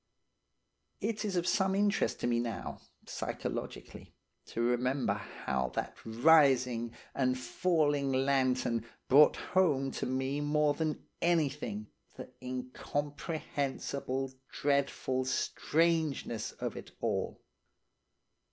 It is of some interest to me now, psychologically, to remember how that rising and falling lantern brought home to me more than anything the incomprehensible dreadful strangeness of it all.